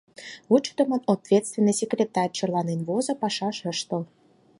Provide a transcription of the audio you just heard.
Вучыдымын ответственный секретарь черланен возо, пашаш ыш тол.